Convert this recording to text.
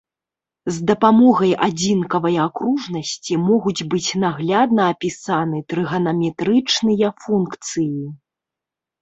З дапамогай адзінкавай акружнасці могуць быць наглядна апісаны трыганаметрычныя функцыі.